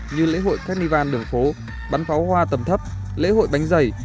như lễ hội carnival đường phố bắn pháo hoa tầm thấp lễ hội bánh dày